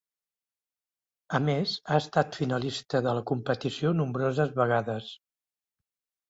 A més ha estat finalista de la competició nombroses vegades.